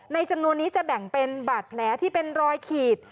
จำนวนนี้จะแบ่งเป็นบาดแผลที่เป็นรอยขีด